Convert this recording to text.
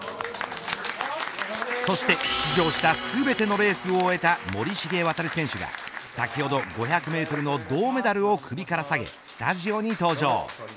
そして出場した全てのレースを終えた森重航選手が先ほど５００メートルの銅メダルを首から下げスタジオに登場。